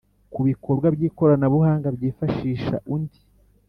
Ku bikorwa by ikoranabuhanga byifashisha undi